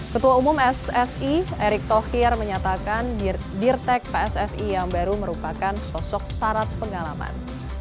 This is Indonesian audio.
ketua umum ssi erick thohir menyatakan dirtek pssi yang baru merupakan sosok syarat pengalaman